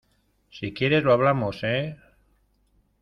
si quieres lo hablamos, ¿ eh?